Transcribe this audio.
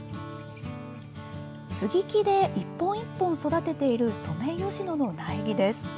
接ぎ木で一本一本育てているソメイヨシノの苗木です。